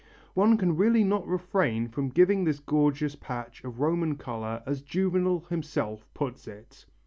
One can really not refrain from giving this gorgeous patch of Roman colour as Juvenal himself puts it